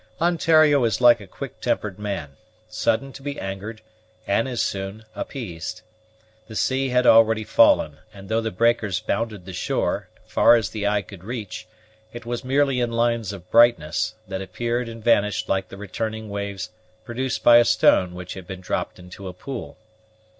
Ontario is like a quick tempered man, sudden to be angered, and as soon appeased. The sea had already fallen; and though the breakers bounded the shore, far as the eye could reach, it was merely in lines of brightness, that appeared and vanished like the returning waves produced by a stone which had been dropped into a pool.